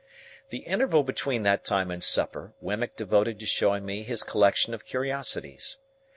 The interval between that time and supper Wemmick devoted to showing me his collection of curiosities.